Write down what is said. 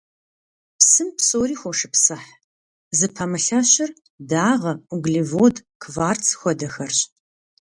Псым псори хошыпсыхь, зыпэмылъэщыр дагъэ, углевод, кварц хуэдэхэрщ.